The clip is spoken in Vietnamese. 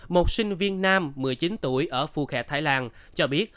một sinh viên nam một mươi chín tuổi ở phu khe thái lan cho biết